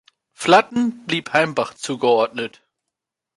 Vlatten blieb Heimbach zugeordnet.